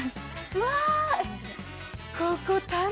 うわ。